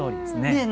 ねえ？